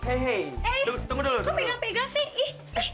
kok pegang pegang sih